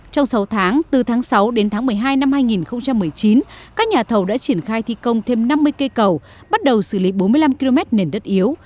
trong sáu tháng từ tháng sáu đến tháng một mươi hai năm hai nghìn một mươi chín các nhà thầu đã triển khai thi công thêm năm mươi cây cầu bắt đầu xử lý bốn mươi năm km nền đất yếu